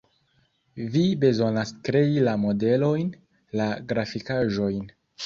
Vi bezonas krei la modelojn, la grafikaĵojn